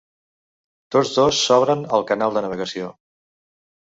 Tots dos s'obren al canal de navegació.